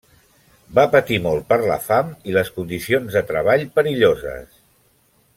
Va patir molt per la fam i les condicions de treball perilloses.